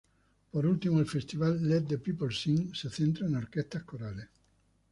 Por último, el Festival "Let the Peoples Sing" se centra en orquestas corales.